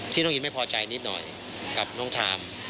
น้องอินไม่พอใจนิดหน่อยกับน้องทาม